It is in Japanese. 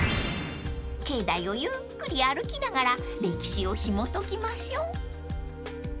［境内をゆっくり歩きながら歴史をひもときましょう］